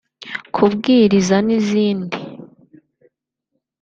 kubwirizan'izindi